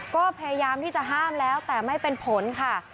ก็พยายามที่จะห้ามแล้วแต่ไม่เป็นผลค่ะ